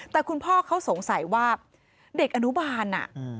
แต่คุณพ่อเขาสงสัยว่าเด็กอนุบาล